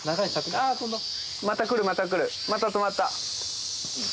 また来るまた来るまた止まった。